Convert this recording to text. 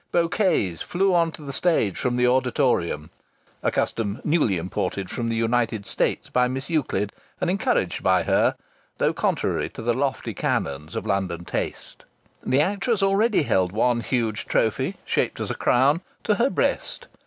Bouquets flew on to the stage from the auditorium (a custom newly imported from the United States by Miss Euclid, and encouraged by her, though contrary to the lofty canons of London taste). The actress already held one huge trophy, shaped as a crown, to her breast.